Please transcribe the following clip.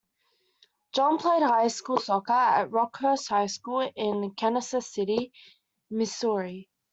John played high school soccer at Rockhurst High School in Kansas City, Missouri.